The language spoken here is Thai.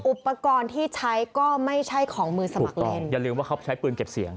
อุปกรณ์ที่ใช้ก็ไม่ใช่ของมือสมัครแล้วอย่าลืมว่าเขาใช้ปืนเก็บเสียง